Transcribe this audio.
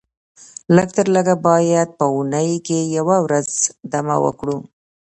لږ تر لږه باید په اونۍ کې یوه ورځ دمه وکړو